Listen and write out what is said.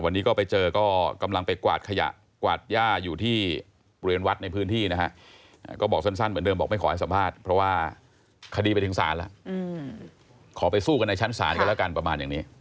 ในชั้นศาลก็แล้วกันประมาณอย่างนี้